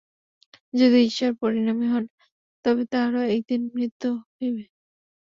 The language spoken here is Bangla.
যদি ঈশ্বর পরিণামী হন, তবে তাঁহারও একদিন মৃত্যু হইবে।